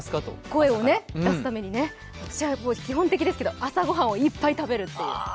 声を出すためにね、私は基本的ですけど、朝御飯をいっぱい食べるという。